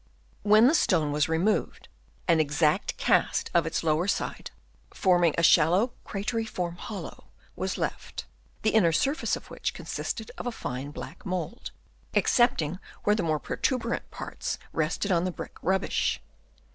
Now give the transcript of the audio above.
When the stone was removed, an exact cast of its lower side, forming a shallow crateriform hollow, was left, the inner surface of which consisted of fine black mould, excepting where the more protuberant parts rested on the brick rubbish.